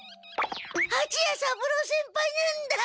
はちや三郎先輩なんだ！